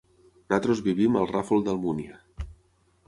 Nosaltres vivim al Ràfol d'Almúnia.